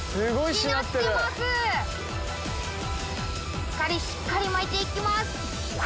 しっかりしっかり巻いていきます。